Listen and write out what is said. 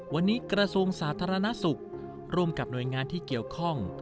วันนี้กระทรวงสาธารณสุขร่วมกับหน่วยงานที่เกี่ยวข้อง